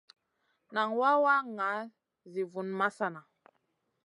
Nan wawa ŋa zi vun masana.